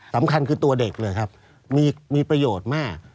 สำคัญคือตัวเด็กเลยครับมีประโยชน์มาก